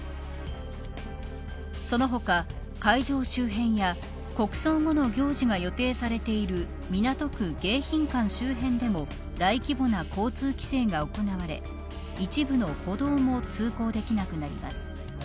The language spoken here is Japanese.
その他、会場周辺や国葬後の行事が予定されている港区迎賓館周辺でも大規模な交通規制が行われ一部の歩道も通行できなくなります。